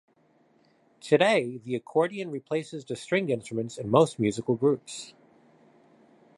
Today the accordion replaces the stringed instruments in most musical groups.